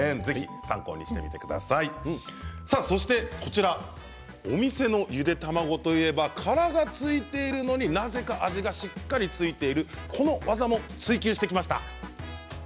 そして、こちらお店のゆで卵といえば殻がついているのになぜか味がしっかり付いているこの技も「ツイＱ」してきました。